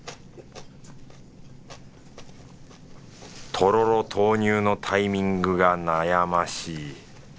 とろろ投入のタイミングが悩ましい